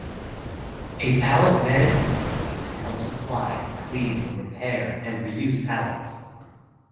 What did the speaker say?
A pallet management company can help supply, clean, repair, and reuse pallets.